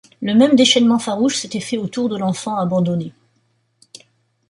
Le même déchaînement farouche s’était fait autour de l’enfant abandonné.